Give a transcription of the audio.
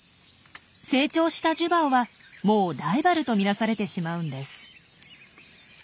成長したジュバオはもうライバルと見なされてしまうんです。